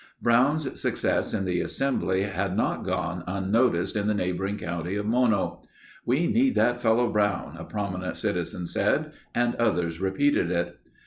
Brown's success in the Assembly had not gone unnoticed in the neighboring county of Mono. "We need that fellow Brown," a prominent citizen said, and others repeated it.